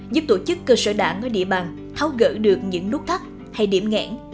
giúp tổ chức cơ sở đảng ở địa bàn tháo gỡ được những nút thắt hay điểm ngãn